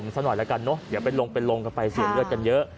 สีบอลสีประตู